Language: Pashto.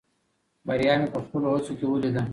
بریا مې په خپلو هڅو کې ولیده.